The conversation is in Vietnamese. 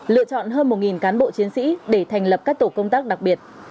lựa chọn hơn một cán bộ chiến sĩ để thành lập các tổ công tác đặc biệt